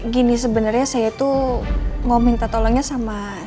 gini sebenarnya saya tuh mau minta tolongnya sama